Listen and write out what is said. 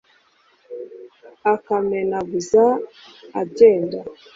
Akamenaguza agenda